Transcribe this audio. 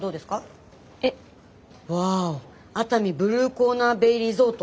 わお熱海ブルーコーナーベイリゾート。